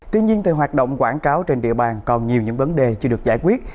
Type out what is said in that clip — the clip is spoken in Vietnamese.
tuy nhiên tại hoạt động quảng cáo trên địa bàn còn nhiều những vấn đề chưa được giải quyết